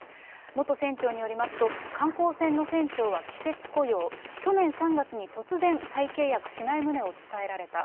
元船長によりますと、観光船の船長は季節雇用、去年３月に突然、再契約しない旨を伝えられた。